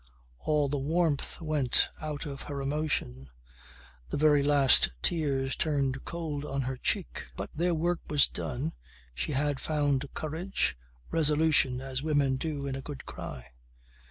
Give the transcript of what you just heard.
All the warmth went out of her emotion. The very last tears turned cold on her cheek. But their work was done. She had found courage, resolution, as women do, in a good cry.